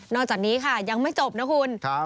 อกจากนี้ค่ะยังไม่จบนะคุณ